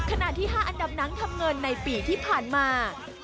ขณะที่๕อันดับนังทำเงินในปีที่ผ่านมา